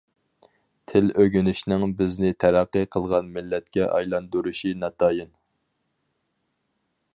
تىل ئۆگىنىشنىڭ بىزنى تەرەققىي قىلغان مىللەتكە ئايلاندۇرۇشى ناتايىن.